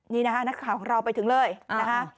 นี่นะคะนักข่าวของเราไปถึงเลยนะคะ